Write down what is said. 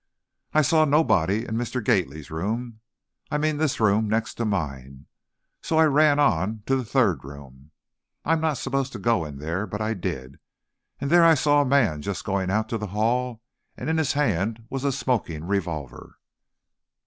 "I saw nobody in Mr. Gately's room, I mean this room next to mine, so I ran on, to the third room, I am not supposed to go in there, but I did, and there I saw a man just going out to the hall and in his hand was a smoking revolver."